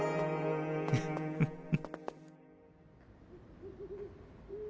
フッフフ。